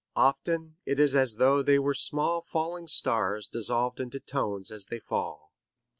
Often it is as though they were small falling stars dissolved into tones as they fall."